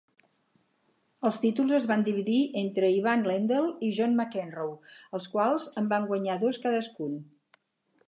Els títols es van dividir entre Ivan Lendl i John McEnroe, els quals en van guanyar dos cadascun.